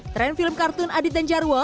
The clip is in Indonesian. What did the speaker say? tren film kartun adit dan jarwo